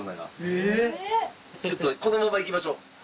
ちょっとこのまま行きましょう。